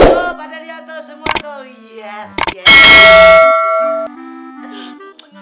tuh pada dia tuh semua